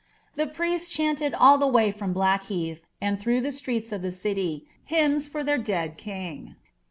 The priests ehanled all the way from Blackheaih, and through the streets of the city, hymns for their dea<l king.